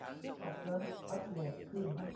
จากนั้นอัปโหลดขึ้น